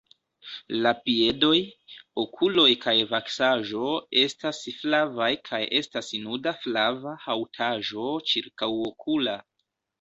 La piedoj, okuloj kaj vaksaĵo estas flavaj kaj estas nuda flava haŭtaĵo ĉirkaŭokula.